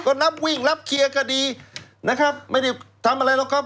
ก็นับวิ่งรับเคลียร์ก็ดีนะครับไม่ได้ทำอะไรหรอกครับ